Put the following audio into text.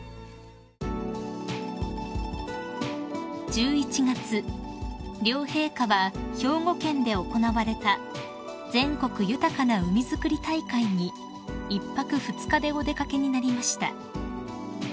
［１１月両陛下は兵庫県で行われた全国豊かな海づくり大会に１泊２日でお出掛けになりました］